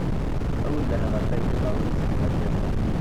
Awelleh ɣef ayen iḍeṛṛun deg tmura nniḍen.